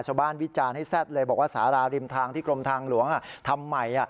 วิจารณ์ให้แซ่ดเลยบอกว่าสาราริมทางที่กรมทางหลวงทำใหม่